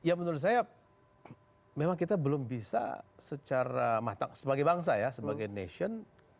ya menurut saya memang kita belum bisa secara matang sebagai bangsa ya sebagai nation